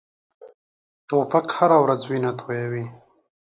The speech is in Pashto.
توپک هره ورځ وینه تویوي.